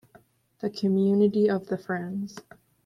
The community of the Friends.